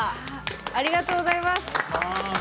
ありがとうございます。